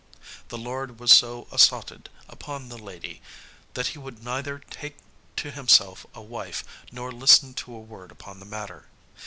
The lord was so assotted upon the lady that he would neither take to himself a wife, nor listen to a word upon the matter.